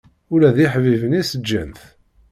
Ula d iḥbiben-is ǧǧan-t.